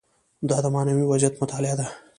دا د معنوي وضعیت مطالعه ده.